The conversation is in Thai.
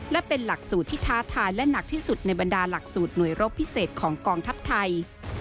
และเป็นหลักสูตรที่ท้าทายและหนักที่สุดในบรรดาหลักสูตรหน่วยรบพิเศษของกองทัพไทย